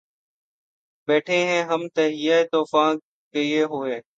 بیٹهے ہیں ہم تہیّہ طوفاں کئے ہوئے